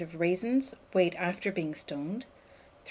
of raisins weighed after being stoned, 3/4 lb.